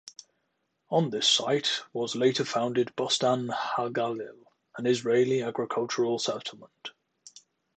On this site was later founded Bustan HaGalil, an Israeli agricultural settlement.